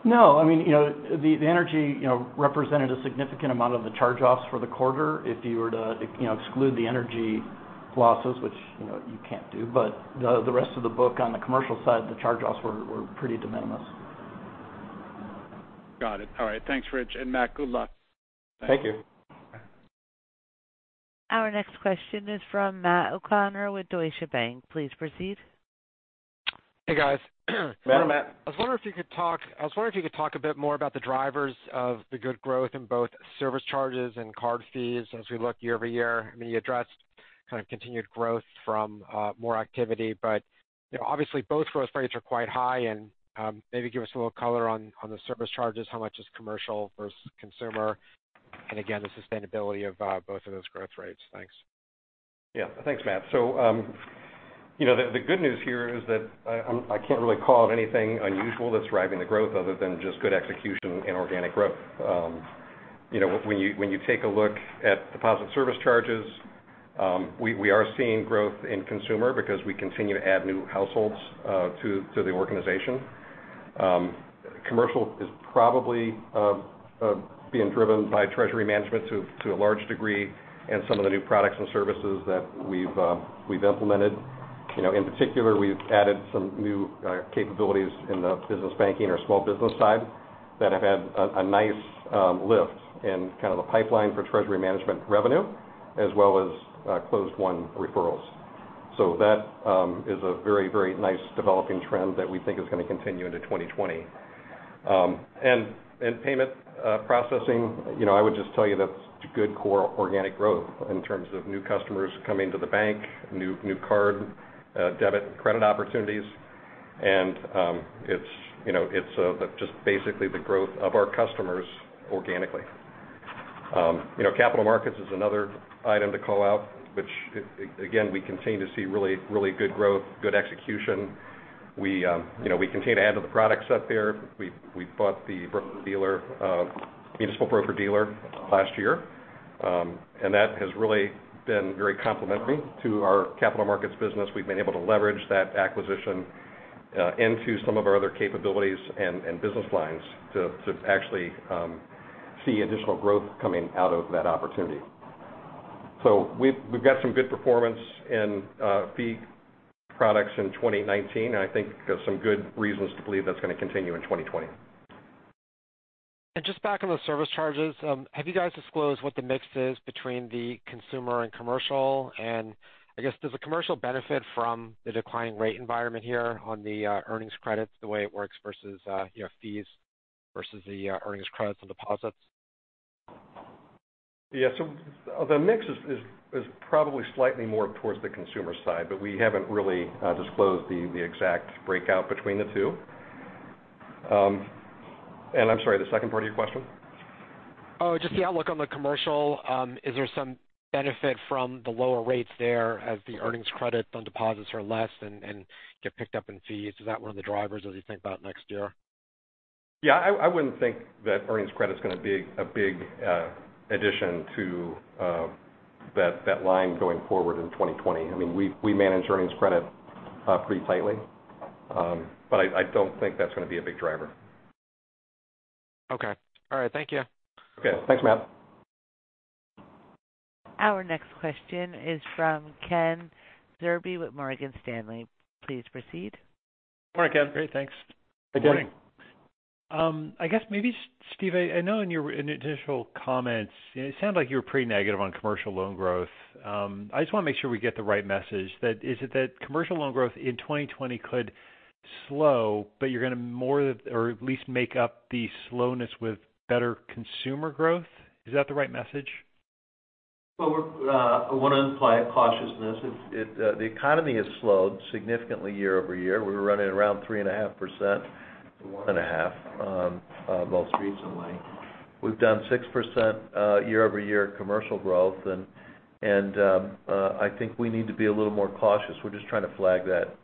No. The energy represented a significant amount of the charge-offs for the quarter. If you were to exclude the energy losses, which you can't do, but the rest of the book on the commercial side, the charge-offs were pretty de minimis. Got it. All right. Thanks, Rich and Mac. Good luck. Thank you. Our next question is from Matthew O'Connor with Deutsche Bank. Please proceed. Hey, guys. Morning, Matt. I was wondering if you could talk a bit more about the drivers of the good growth in both service charges and card fees as we look year-over-year. You addressed kind of continued growth from more activity, but obviously both growth rates are quite high and maybe give us a little color on the service charges, how much is commercial versus consumer, and again, the sustainability of both of those growth rates. Thanks. Yeah. Thanks, Matt. The good news here is that I can't really call out anything unusual that's driving the growth other than just good execution and organic growth. When you take a look at deposit service charges, we are seeing growth in consumer because we continue to add new households to the organization. Commercial is probably being driven by treasury management to a large degree and some of the new products and services that we've implemented. In particular, we've added some new capabilities in the business banking or small business side that have had a nice lift in kind of the pipeline for treasury management revenue as well as closed-one referrals. That is a very nice developing trend that we think is going to continue into 2020. Payment processing, I would just tell you that's good core organic growth in terms of new customers coming to the bank, new card debit and credit opportunities, and it's just basically the growth of our customers organically. capital markets is another item to call out, which again, we continue to see really good growth, good execution. We continue to add to the product set there. We bought the municipal broker-dealer last year. That has really been very complementary to our capital markets business. We've been able to leverage that acquisition into some of our other capabilities and business lines to actually see additional growth coming out of that opportunity. We've got some good performance in fee products in 2019, and I think some good reasons to believe that's going to continue in 2020. Just back on the service charges, have you guys disclosed what the mix is between the consumer and commercial? I guess, does the commercial benefit from the declining rate environment here on the earnings credits the way it works versus fees versus the earnings credits on deposits? Yeah. The mix is probably slightly more towards the consumer side, but we haven't really disclosed the exact breakout between the two. I'm sorry, the second part of your question? Just the outlook on the commercial. Is there some benefit from the lower rates there as the earnings credit on deposits are less and get picked up in fees? Is that one of the drivers as you think about next year? Yeah, I wouldn't think that earnings credit is going to be a big addition to that line going forward in 2020. We manage earnings credit pretty tightly. I don't think that's going to be a big driver. Okay. All right. Thank you. Okay. Thanks, Matt. Our next question is from Kenneth Zerbe with Morgan Stanley. Please proceed. Morning, Ken. Great, thanks. Good morning. I guess maybe, Steve, I know in your initial comments, it sounded like you were pretty negative on commercial loan growth. I just want to make sure we get the right message. Is it that commercial loan growth in 2020 could slow, but you're going to more or at least make up the slowness with better consumer growth? Is that the right message? Well, I want to imply a cautiousness. The economy has slowed significantly year-over-year. We were running around 3.5%-1.5% most recently. We've done 6% year-over-year commercial growth. I think we need to be a little more cautious. We're just trying to flag that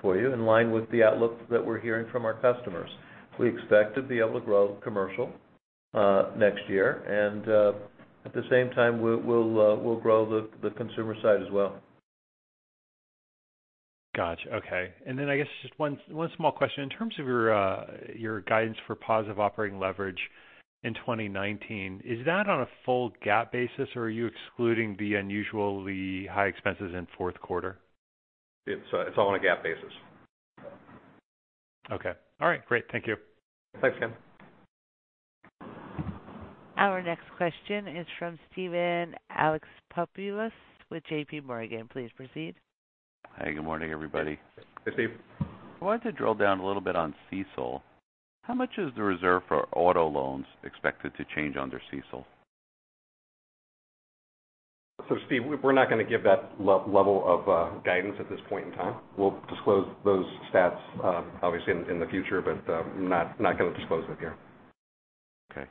for you in line with the outlook that we're hearing from our customers. We expect to be able to grow commercial next year. At the same time, we'll grow the consumer side as well. Got you. Okay. I guess just one small question. In terms of your guidance for positive operating leverage in 2019, is that on a full GAAP basis or are you excluding the unusually high expenses in fourth quarter? It's all on a GAAP basis. Okay. All right. Great. Thank you. Thanks, Ken. Our next question is from Steven Alexopoulos with JPMorgan. Please proceed. Hi, good morning, everybody. Hey, Steve. I wanted to drill down a little bit on CECL. How much is the reserve for auto loans expected to change under CECL? Steve, we're not going to give that level of guidance at this point in time. We'll disclose those stats, obviously, in the future, but I'm not going to disclose it here. Okay.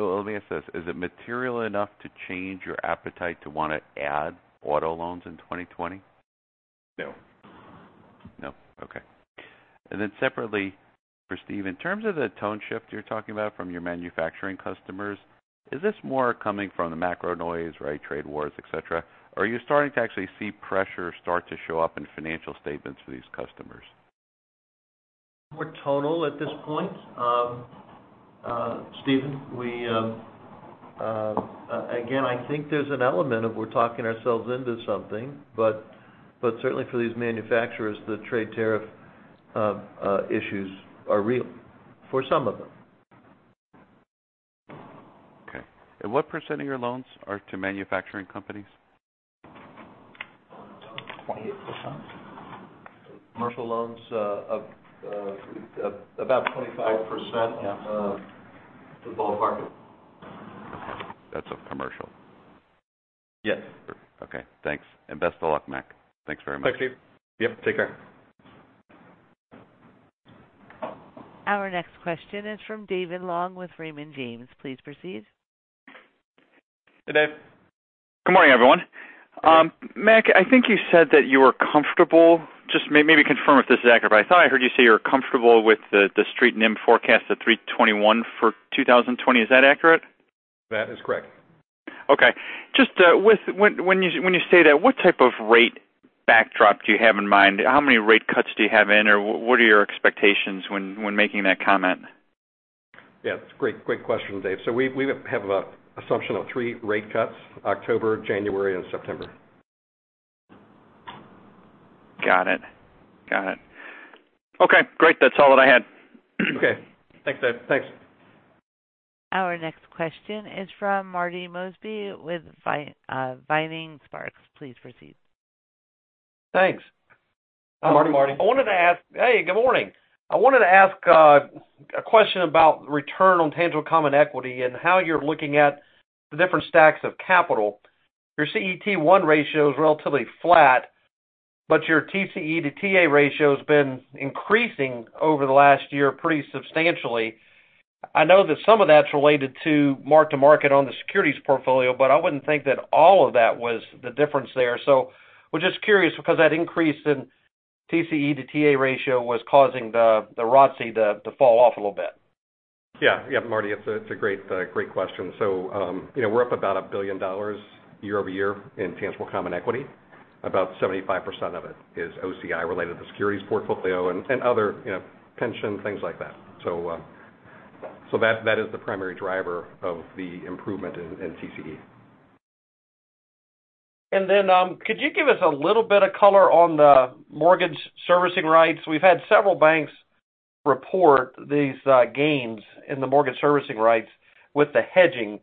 Let me ask this. Is it material enough to change your appetite to want to add auto loans in 2020? No. No. Okay. Separately for Steve, in terms of the tone shift you're talking about from your manufacturing customers, is this more coming from the macro noise, right, trade wars, et cetera? Or are you starting to actually see pressure start to show up in financial statements for these customers? More tonal at this point. Steve, again, I think there's an element of we're talking ourselves into something, but certainly for these manufacturers, the trade tariff issues are real for some of them. Okay. What % of your loans are to manufacturing companies? 28%. Commercial loans, about 25%. Yeah to ballpark it. That's of commercial. Yes. Okay, thanks. Best of luck, Mac. Thanks very much. Thanks, Steve. Yep, take care. Our next question is from David Long with Raymond James. Please proceed. Hey, Dave. Good morning, everyone. Mac, I think you said that you were comfortable, just maybe confirm if this is accurate, but I thought I heard you say you're comfortable with the street NIM forecast at three twenty-one for 2020. Is that accurate? That is correct. Okay. Just when you say that, what type of rate backdrop do you have in mind? How many rate cuts do you have in, or what are your expectations when making that comment? Yeah, it's a great question, Dave. We have an assumption of three rate cuts, October, January, and September. Got it. Okay, great. That's all that I had. Okay. Thanks, Dave. Thanks. Our next question is from Marty Mosby with Vining Sparks. Please proceed. Thanks. Hi, Marty. Marty. Hey, good morning. I wanted to ask a question about return on tangible common equity and how you're looking at the different stacks of capital. Your CET1 ratio is relatively flat. Your TCE to TA ratio has been increasing over the last year pretty substantially. I know that some of that's related to mark-to-market on the securities portfolio. I wouldn't think that all of that was the difference there. I was just curious because that increase in TCE to TA ratio was causing the ROTCE to fall off a little bit. Yeah. Marty, it's a great question. We're up about $1 billion year-over-year in tangible common equity. About 75% of it is OCI related to the securities portfolio and other pension, things like that. That is the primary driver of the improvement in TCE. Could you give us a little bit of color on the mortgage servicing rights? We've had several banks report these gains in the mortgage servicing rights with the hedging.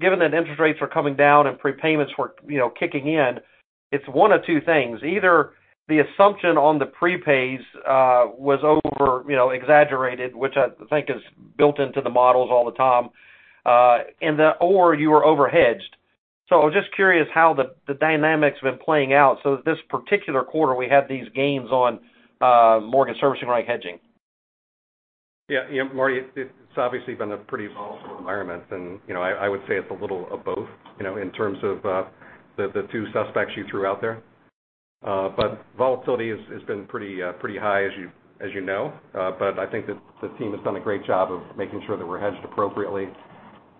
Given that interest rates are coming down and prepayments were kicking in, it's one of two things. Either the assumption on the prepays was over exaggerated, which I think is built into the models all the time, or you were overhedged. I was just curious how the dynamic's been playing out so that this particular quarter we had these gains on mortgage servicing right hedging. Yeah, Marty, it's obviously been a pretty volatile environment and I would say it's a little of both in terms of the two suspects you threw out there. Volatility has been pretty high, as you know. I think that the team has done a great job of making sure that we're hedged appropriately.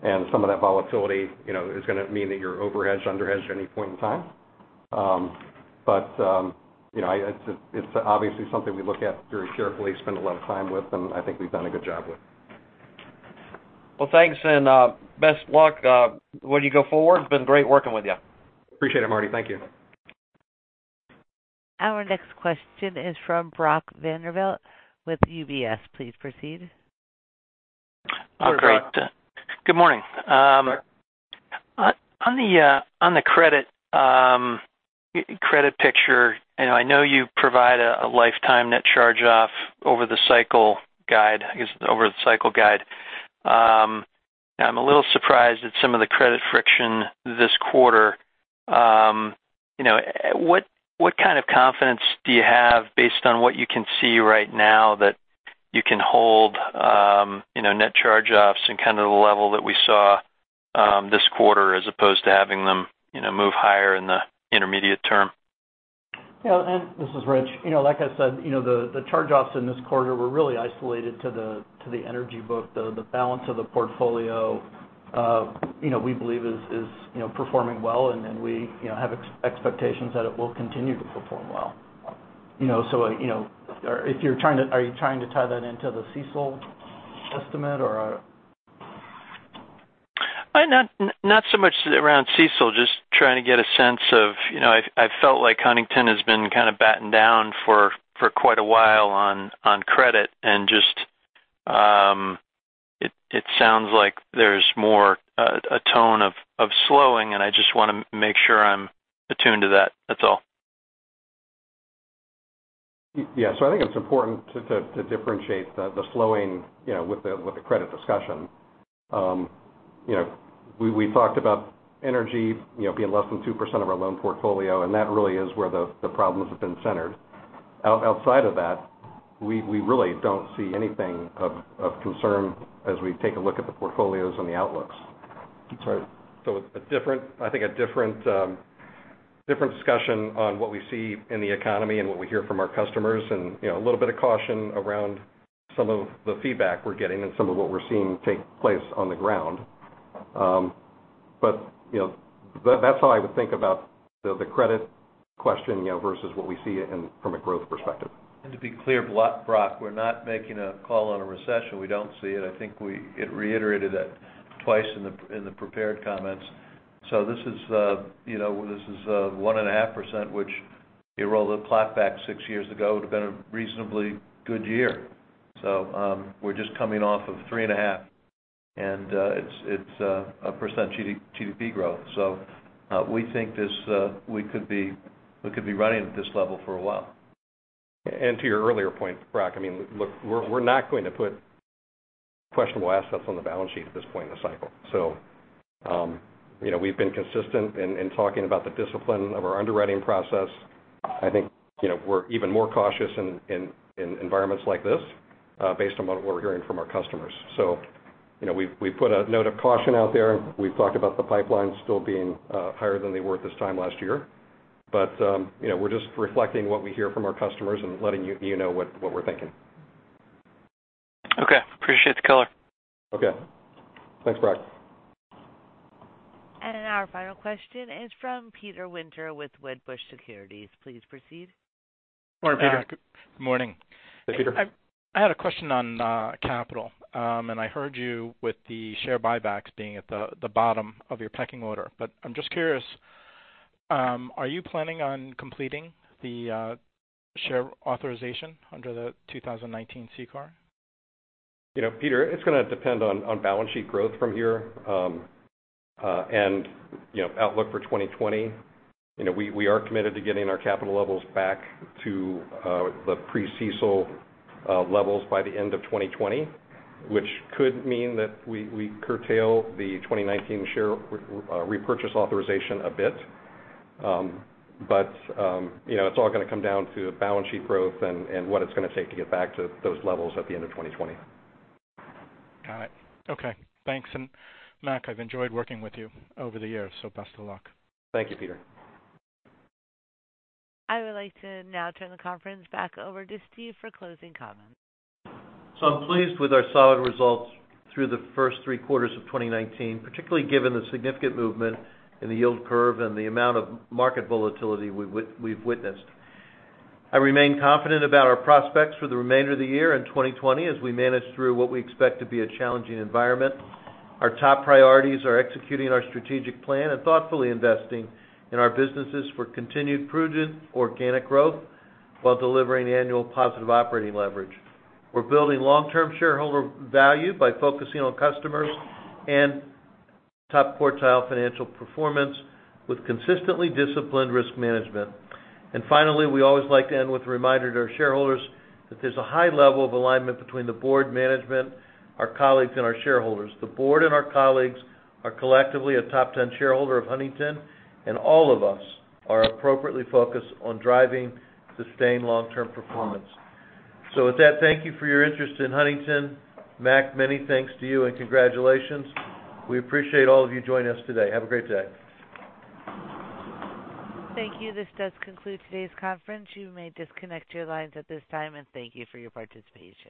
Some of that volatility is going to mean that you're overhedged, underhedged at any point in time. It's obviously something we look at very carefully, spend a lot of time with, and I think we've done a good job with. Well, thanks and best luck when you go forward. It's been great working with you. Appreciate it, Marty. Thank you. Our next question is from Brock Vandervliet with UBS. Please proceed. Great. Good morning. On the credit picture, I know you provide a lifetime net charge off over the cycle guide. I guess it's over the cycle guide. I'm a little surprised at some of the credit friction this quarter. What kind of confidence do you have based on what you can see right now that you can hold net charge offs in kind of the level that we saw this quarter as opposed to having them move higher in the intermediate term? This is Rich. Like I said, the charge offs in this quarter were really isolated to the energy book. The balance of the portfolio we believe is performing well, and we have expectations that it will continue to perform well. Are you trying to tie that into the CECL estimate or? Not so much around CECL, just trying to get a sense of, I felt like Huntington has been kind of batten down for quite a while on credit and just, it sounds like there's more a tone of slowing, and I just want to make sure I'm attuned to that. That's all. Yeah. I think it's important to differentiate the slowing with the credit discussion. We talked about energy being less than 2% of our loan portfolio, and that really is where the problems have been centered. Outside of that, we really don't see anything of concern as we take a look at the portfolios and the outlooks. That's right. I think a different discussion on what we see in the economy and what we hear from our customers and a little bit of caution around some of the feedback we're getting and some of what we're seeing take place on the ground. That's how I would think about the credit question versus what we see in from a growth perspective. To be clear, Brock, we're not making a call on a recession. We don't see it. I think we reiterated that twice in the prepared comments. This is 1.5%, which if you roll the clock back six years ago, would've been a reasonably good year. We're just coming off of 3.5, and it's a % GDP growth. We think we could be running at this level for a while. To your earlier point, Brock, look, we're not going to put questionable assets on the balance sheet at this point in the cycle. We've been consistent in talking about the discipline of our underwriting process. I think we're even more cautious in environments like this based on what we're hearing from our customers. We put a note of caution out there. We've talked about the pipelines still being higher than they were at this time last year. We're just reflecting what we hear from our customers and letting you know what we're thinking. Okay. Appreciate the color. Okay. Thanks, Brock. Our final question is from Peter Winter with Wedbush Securities. Please proceed. Morning, Peter. Good morning. Hey, Peter. I had a question on capital. I heard you with the share buybacks being at the bottom of your pecking order. I'm just curious, are you planning on completing the share authorization under the 2019 CCAR? Peter, it's going to depend on balance sheet growth from here, and outlook for 2020. We are committed to getting our capital levels back to the pre-CECL levels by the end of 2020, which could mean that we curtail the 2019 share repurchase authorization a bit. It's all going to come down to balance sheet growth and what it's going to take to get back to those levels at the end of 2020. Got it. Okay. Thanks. Mac, I've enjoyed working with you over the years, so best of luck. Thank you, Peter. I would like to now turn the conference back over to Steve for closing comments. I'm pleased with our solid results through the first three quarters of 2019, particularly given the significant movement in the yield curve and the amount of market volatility we've witnessed. I remain confident about our prospects for the remainder of the year and 2020 as we manage through what we expect to be a challenging environment. Our top priorities are executing our strategic plan and thoughtfully investing in our businesses for continued prudent organic growth while delivering annual positive operating leverage. We're building long-term shareholder value by focusing on customers and top-quartile financial performance with consistently disciplined risk management. Finally, we always like to end with a reminder to our shareholders that there's a high level of alignment between the board management, our colleagues, and our shareholders. The board and our colleagues are collectively a top-10 shareholder of Huntington, and all of us are appropriately focused on driving sustained long-term performance. With that, thank you for your interest in Huntington. Mac, many thanks to you, and congratulations. We appreciate all of you joining us today. Have a great day. Thank you. This does conclude today's conference. You may disconnect your lines at this time, and thank you for your participation.